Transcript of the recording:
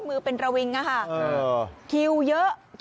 โอ้ยมือเป็นระวิงนะฮะคิวเยอะ